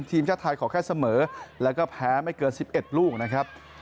ทีมชาติไทยขอแค่เสมอแล้วก็แพ้ไม่เกิน๑๑ลูกนะครับ